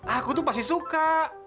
aku tuh pasti suka